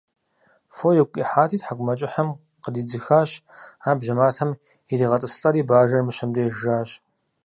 Фо игу къихьати, тхьэкӏумэкӏыхьым къыдидзыхащ, ар бжьэматэм иригъэтӏысылӏэри, бажэр мыщэм деж жащ.